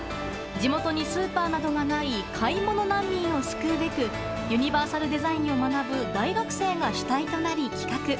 地元にスーパーなどがない買い物難民を救うべくユニバーサルデザインを学ぶ大学生が主体となり企画。